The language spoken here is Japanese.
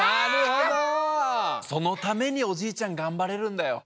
そのためにおじいちゃんがんばれるんだよ。